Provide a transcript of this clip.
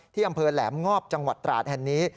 อำเภอแหลมงอบจังหวัดตราดแห่งนี้